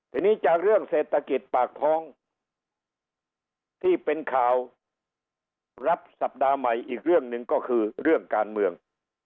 ทีนี้จากเรื่องเศรษฐกิจปากท้องที่เป็นข่าวรับสัปดาห์ใหม่อีกเรื่องหนึ่งก็คือเรื่องการเมือง